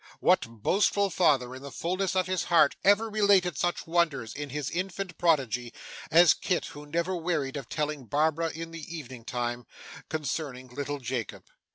What boastful father in the fulness of his heart ever related such wonders of his infant prodigy, as Kit never wearied of telling Barbara in the evening time, concerning little Jacob?